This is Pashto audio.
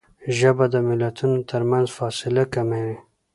ژبه د ملتونو ترمنځ فاصله کموي